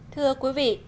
thưa quý vị